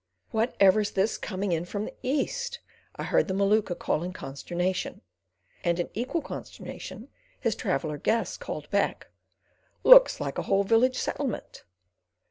"Whatever's this coming in from the East?" I heard the Maluka call in consternation, and in equal consternation his traveller guest called back: "Looks like a whole village settlement."